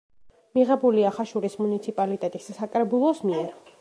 მიღებულია ხაშურის მუნიციპალიტეტის საკრებულოს მიერ.